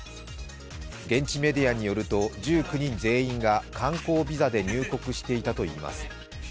現地メディアによると１９人全員が観光ビザで入国していたといいます。